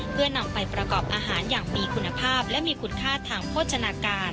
เพื่อนำไปประกอบอาหารอย่างมีคุณภาพและมีคุณค่าทางโภชนาการ